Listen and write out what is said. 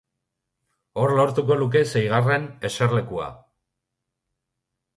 Hor lortuko luke seigarren eserlekua.